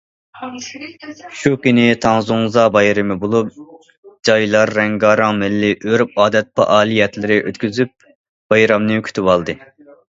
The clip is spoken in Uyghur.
شۇ كۈنى تاڭزۇڭزا بايرىمى بولۇپ، جايلار رەڭگارەڭ مىللىي ئۆرپ- ئادەت پائالىيەتلىرى ئۆتكۈزۈپ، بايرامنى كۈتۈۋالدى.